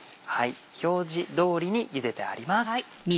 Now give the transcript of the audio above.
表示通りにゆでてあります。